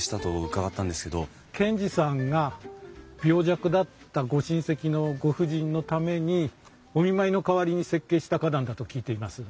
賢治さんが病弱だったご親戚のご婦人のためにお見舞いの代わりに設計した花壇だと聞いています。